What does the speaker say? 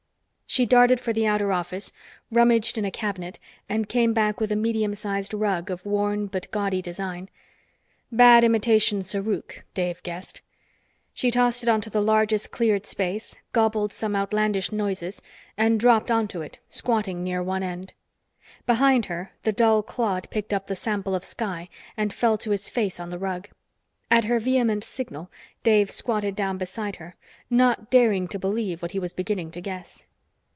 She darted for the outer office, rummaged in a cabinet, and came back with a medium sized rug of worn but gaudy design. Bad imitation Sarouk, Dave guessed. She tossed it onto the largest cleared space, gobbled some outlandish noises, and dropped onto it, squatting near one end. Behind her, the dull clod picked up the sample of sky and fell to his face on the rug. At her vehement signal, Dave squatted down beside her, not daring to believe what he was beginning to guess.